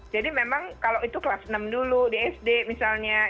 jadi memang kalau itu kelas enam dulu di sd misalnya